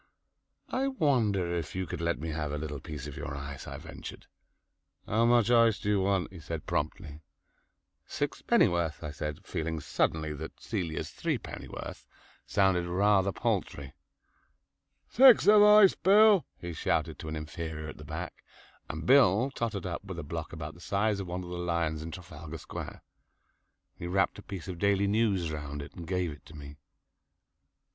"I wonder if you could let me have a little piece of your ice," I ventured. "How much ice do you want?" he said promptly. "Sixpennyworth," I said, feeling suddenly that Celia's threepennyworth sounded rather paltry. "Six of ice, Bill," he shouted to an inferior at the back, and Bill tottered up with a block about the size of one of the lions in Trafalgar Square. He wrapped a piece of "Daily News" round it and gave it to me.